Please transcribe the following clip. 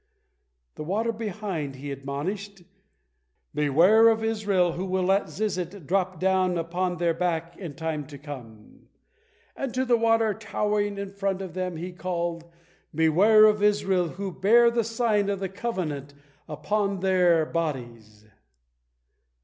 The water behind he admonished, "Beware of Israel, who will let the Zizit drop down upon their back in time to come," and to the water towering in front of them, he called, "Beware of Israel, who bear the sign of the covenant upon their bodies."